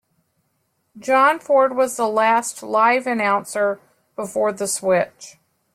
John Ford was the last live announcer before the switch.